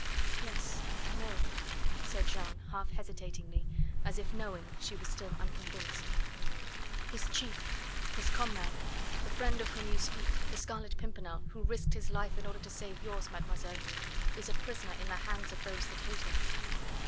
"Yes, I know," said Jeanne half hesitatingly, as if knowing, she was still unconvinced. "His chief, his comrade, the friend of whom you speak, the Scarlet Pimpernel, who risked his life in order to save yours, mademoiselle, is a prisoner in the hands of those that hate him."